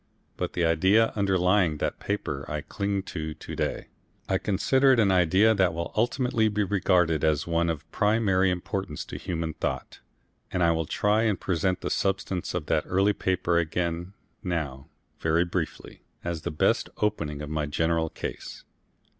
But the idea underlying that paper I cling to to day. I consider it an idea that will ultimately be regarded as one of primary importance to human thought, and I will try and present the substance of that early paper again now very briefly, as the best opening of my general case.